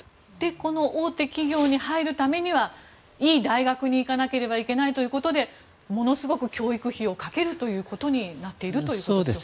この大手企業に入るためにはいい大学に行かなければいけないということでものすごく教育費をかけるということになっているんでしょうか。